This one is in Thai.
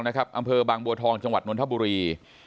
อำเภอบางบัวทองจังหวัดนทบุรี